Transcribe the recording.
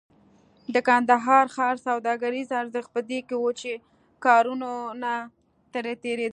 د کندهار ښار سوداګریز ارزښت په دې کې و چې کاروانونه ترې تېرېدل.